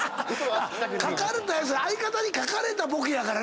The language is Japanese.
書かれたやつ相方に書かれたボケやからな。